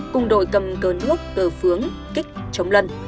cùng đội cầm cơn hước cờ phướng kích chống lân